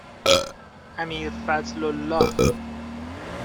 امیرفضلالله